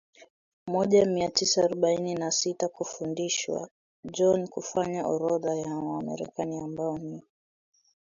moja mia tisa arobaini na sita kufundishwa John kufanya orodha ya Wamarekani ambao ni